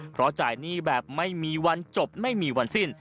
เพราะจ่ายหนี้แบบไม่มีวันจบไม่มีวันสิ้น